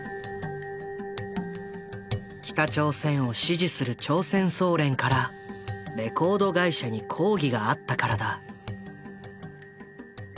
北朝鮮を支持する朝鮮総連からレコード会社に抗議があったからだ。